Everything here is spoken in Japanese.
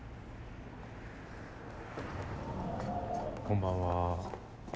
こんばんは。